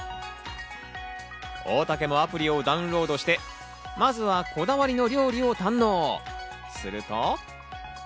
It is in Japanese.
大竹もアプリをダウンロードして、まずは、こだわりの料理を堪能、すると。